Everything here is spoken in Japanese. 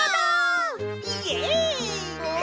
イエイ！